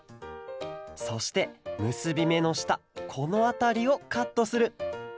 そしてむすびめのしたこのあたりをカットする。